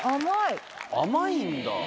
甘いんだ。